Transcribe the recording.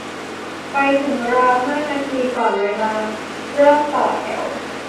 ไปถึงราวห้านาทีก่อนเวลา เริ่มต่อแถว